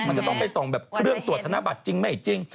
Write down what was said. มันจะต้องไปส่องแบบเครื่องตรวจธนบัตรจริงไม่จริง